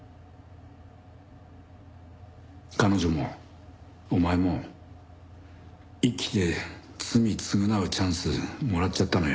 彼女もお前も生きて罪償うチャンスもらっちゃったのよ。